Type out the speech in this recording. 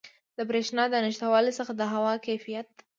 د بریښنا د نشتوالي څخه د هوا د کیفیت